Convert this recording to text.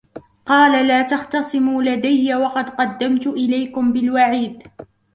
قَالَ لَا تَخْتَصِمُوا لَدَيَّ وَقَدْ قَدَّمْتُ إِلَيْكُمْ بِالْوَعِيدِ